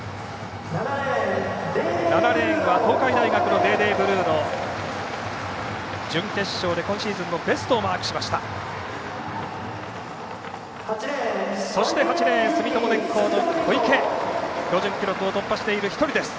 ７レーン、デーデーブルーノは準決勝で今シーズンのベストをマークしました。